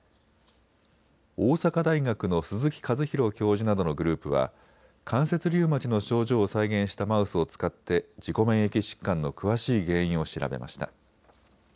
大阪大学の鈴木一博教授などのグループは関節リウマチの症状を再現したマウスを使って自己免疫疾患の詳しい原因を調べました。